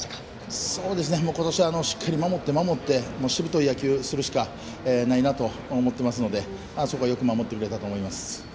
今年は守ってしぶとい野球をするしかないと思っているのであそこはよく守ってくれたと思います。